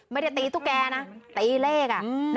ไม่ได้ตีตุ๊กแกนะตีเลข